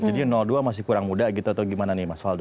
jadi dua puluh masih kurang muda gitu atau gimana nih mas waldo